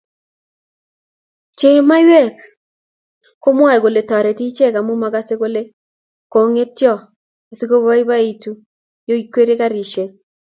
che we maywekkomwae kole toreti ichek amu magasee kole kongetyo asigoboiboitu yo ikwerie karishek